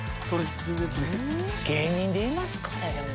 芸人でいますかね？